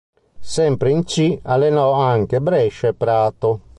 Sempre in C allenò anche Brescia e Prato.